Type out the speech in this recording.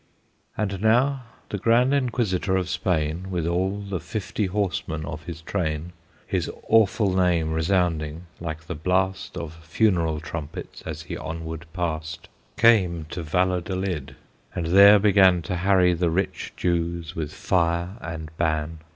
And now the Grand Inquisitor of Spain, With all the fifty horsemen of his train, His awful name resounding, like the blast Of funeral trumpets, as he onward passed, Came to Valladolid, and there began To harry the rich Jews with fire and ban.